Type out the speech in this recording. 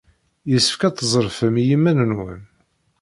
Yessefk ad tzerfem i yiman-nwen.